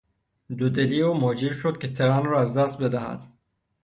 دودلی او موجب شد که ترن را از دست بدهد.